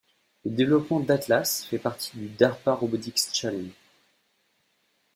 Le développement d'Atlas fait partie du Darpa Robotics Challenge.